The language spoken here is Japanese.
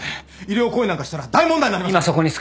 医療行為なんかしたら大問題に。